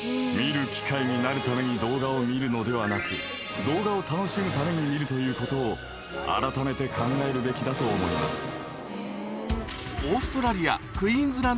見る機械になるために動画を見るのではなく動画を楽しむために見るということをあらためて考えるべきだと思います。